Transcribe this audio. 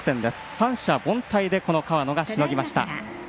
三者凡退で河野がしのぎました。